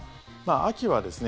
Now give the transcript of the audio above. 秋はですね